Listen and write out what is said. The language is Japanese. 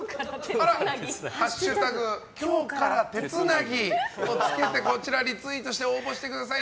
今日から手繋ぎ」をつけてこちらリツイートして応募してください。